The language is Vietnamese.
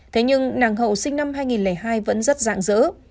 thế nhưng nàng hậu sinh năm hai nghìn hai vẫn rất dạng dỡ